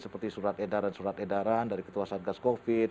seperti surat edaran surat edaran dari ketua satgas covid